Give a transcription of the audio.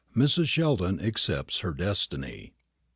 MRS. SHELDON ACCEPTS HER DESTINY.